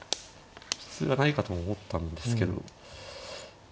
普通はないかと思ったんですけど。